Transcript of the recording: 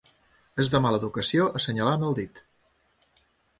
És de mala educació assenyalar amb el dit.